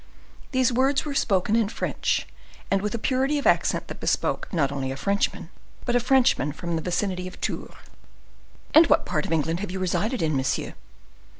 These words were spoken in French, and with a purity of accent that bespoke not only a Frenchman, but a Frenchman from the vicinity of Tours. "And what part of England have you resided in, monsieur?"